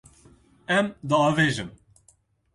Em diavêjin.